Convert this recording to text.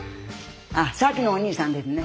あっさっきのお兄さんですね。